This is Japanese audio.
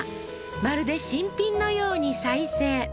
まるで新品のように再生